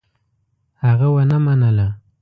هغه ونه منله.